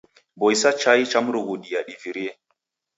Boisa chai cha mrughundia divirie.